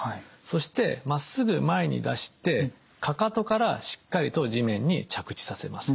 そしてまっすぐ前に出してかかとからしっかりと地面に着地させます。